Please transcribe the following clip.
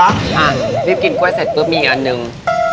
อ่ะรีบกินกล้วยเสร็จปุ๊บมีอีกอันหนึ่ง